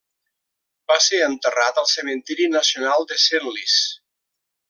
Va ser enterrat al cementiri nacional de Senlis.